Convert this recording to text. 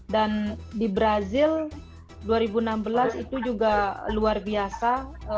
dan di brazil dua ribu enam belas itu juga luar biasa